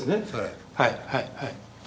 はいはい。